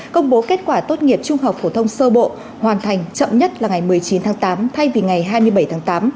công bố kết quả tốt nghiệp trung học phổ thông sơ bộ hoàn thành chậm nhất là ngày một mươi chín tháng tám thay vì ngày hai mươi bảy tháng tám